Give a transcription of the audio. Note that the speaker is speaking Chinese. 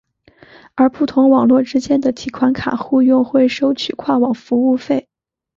而不同网络之间的提款卡互用会收取跨网服务费。